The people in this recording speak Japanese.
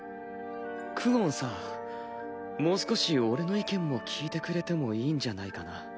クオンさもう少し俺の意見も聞いてくれてもいいんじゃないかな？